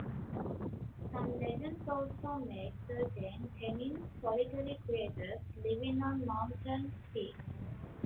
Some legends also make certain "tennin" solitary creatures living on mountain peaks.